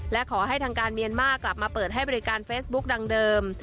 และขอให้ทางการเมียนมาร์กลับมาเปิดให้บริการเฟซบุ๊กดังเดิม